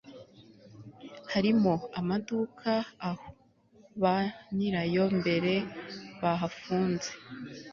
harimo amaduka aho ba nyirayo mbere bahafunze